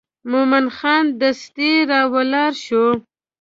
مومن خان دستي راولاړ شو.